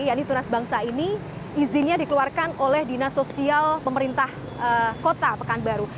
yaitu tunas bangsa ini izinnya dikeluarkan oleh dinas sosial pemerintah kota pekanbaru